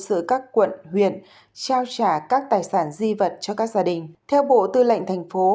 giữa các quận huyện trao trả các tài sản di vật cho các gia đình theo bộ tư lệnh thành phố